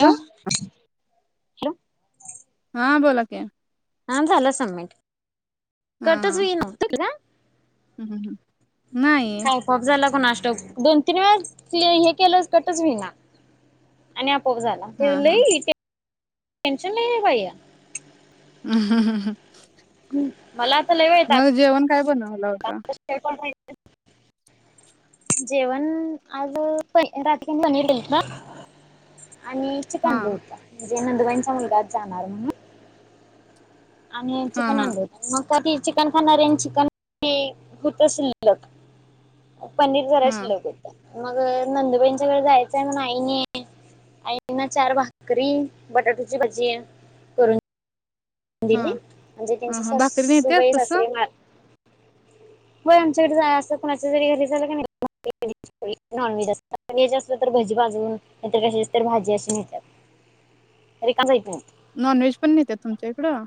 आ hello. [unintelligible] हां बोला की. हा झालं सबमिट. [unintelligible] हम् हम् सावकाश झाल्यात. कुणास ठाऊक, दोन तीन वेळा ते हे केलंच कटच होईना आणि आप् पोप झाला हा हा. [unintelligible] टेन्शन लई ये बया. ह ह ह ह. हम्म मला आता लय वैताग जेवण काय बन [unintelligible] जेवण आज पण [unintelligible] आणि चिकन हा आणलं होतं. ते नंदवाइंचा मुलगा जाणार म्हणून आणि हा चिकन हा आणलं होतं मग. काकी चिकन खाणाऱ्यांची [unintelligible] होत शिल्लक. पनीर जरा हा शिल्लक होतं. मग नंदुबाईंच्याकडे जायचंय मग आईने आईंना चार भाकरी बटाट्याची भजी करून दिली हा. म्हणजे ह त्यांचे हा भाकरी नेत्यात सास्सूबाई तसं सासरे माळ व्हय आमच्याकडे जायचं कुणाच्यातरी घरी झालं का नाही [unintelligible] नॉन व्हेज अस [unintelligible] असलं तर बुरजी भाजून नाहीतर कशाची तर भाजी अशी नेतात रिका जाईत नाही. नॉन व्हेज पण नेत्यात तुमच्या इकडं?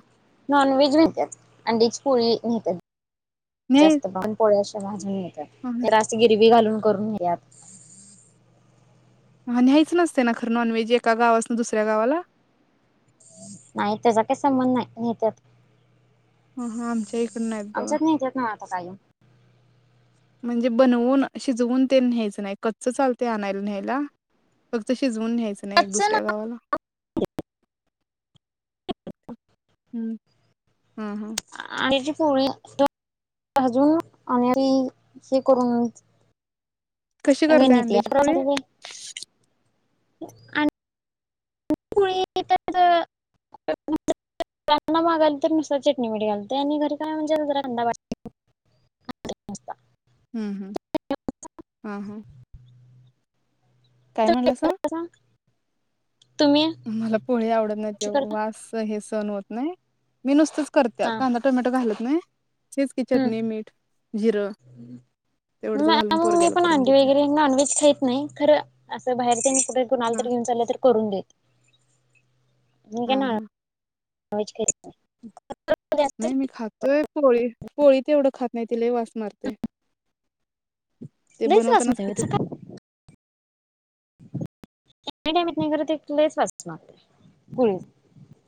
Non veg न्हेत्यात. अंडीची पोळी न्हेत्यात. नाही. जास्त पन पोळ्या अशा भाजून येतात. रास्त गिरवी घालून करून घ्यात हं न्याहायचं नसतय ना खरं नॉनव्हेज एका गावास्नं दुसऱ्या गावाला? नाही त्याजा काही संबंध नाही न्हेत्यात. हं हां आमच्या इकडून आहेत बगा. ना आता काय म्हणजे बनवून शिजवून तेन न्ह्यायचं नाही. कच्च चालतंय आणायल् न्ह्यायला. फक्त शिजवून न्यायचं नाही एक कच्चं दुसऱ्या गावाला. हम्, हां-हां आणेची पोळी [unintelligible] भाजून आण [unintelligible] हे करून कशी करताय गणित अंड्याची पोळी? आन् [unintelligible] मागायलीत तर नुसतं चटणी मिठ घालतोय आणि [unintelligible] हम्-हम्, हं-हं काय तुम्ही म्हणलासा? करता का? तुम्ही मला पोळी आवडत नाही कशी त्याळ करता वास हे सन होत नाही. मी नुसतंच करत्या हा कांदा टोमॅटो घालत् नही तेच की हम्म. चटणी, मीठ, जिरं. तेवढंच नॅआ घालून म् मी पोरग्याला पण करून अंडी देत्या वगैरे नॉनव्हेज खाईत नाही, खरं असं बाहेर तेन कुठं कुणाला हा तर घेऊन चाललं तर करून देते. मी हा काय नॉन् हा व्हेज करीत नाही. नाही मी खातोय पोळी, पोळी तेवढं खात नाहीत. ते लई वास मारतंय. लयच वास [unintelligible] चं का? [unintelligible] टोमॅटो नाही खर ते लयच वास मारते. पोळी.